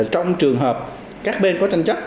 trong trường hợp các bên có tranh chấp